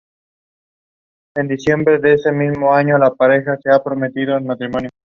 Tras echar por la borda las macetas con las plantas, decidieron volver a Tahití.